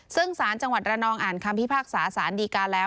ซึ่งสารจังหวัดระนองอ่านคำพิพากษาสารดีการแล้ว